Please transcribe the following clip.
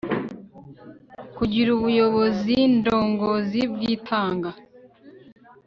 kugira ubuyoboziindongozi bwitanga